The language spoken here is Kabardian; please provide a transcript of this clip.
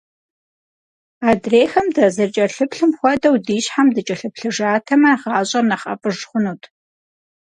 Адрейхэм дазэрыкӀэлъыплъым хуэдэу ди щхьэм дыкӀэлъыплъыжатэмэ, гъащӀэр нэхъ ӀэфӀыж хъунут.